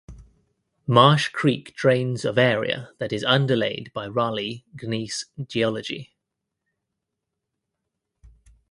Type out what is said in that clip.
Marsh Creek drains of area that is underlaid by Raleigh Gneiss geology.